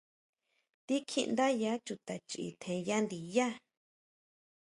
Tíkjiʼndáyá chuta chʼi tjenya ndiyá.